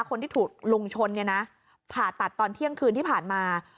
คนที่ถูกลุงชนเนี่ยนะผ่าตัดตอนเที่ยงคืนที่ผ่านมา